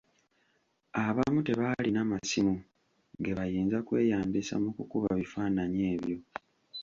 Abamu tebaalina masimu ge bayinza kweyambisa mu kukuba bifaananyi ebyo.